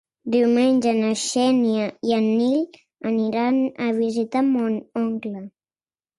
Diumenge na Xènia i en Nil aniran a visitar mon oncle.